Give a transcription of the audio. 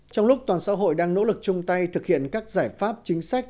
trong lúc toàn xã hội đang nỗ lực chung tay thực hiện các giải pháp chính sách